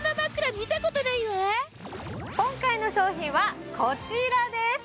今回の商品はこちらです